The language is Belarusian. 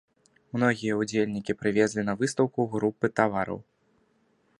Многія ўдзельнікі прывезлі на выстаўку групы тавараў.